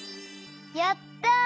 やった！